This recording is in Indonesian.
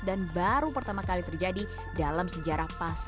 dan baru pertama kali terjadi dalam sejarah pasar modal indonesia